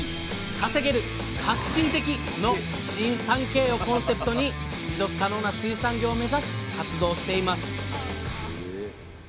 稼げる！革新的！」の新３Ｋをコンセプトに持続可能な水産業を目指し活動しています